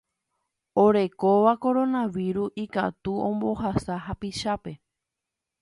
Orekóva koronavíru ikatu ombohasa hapichápe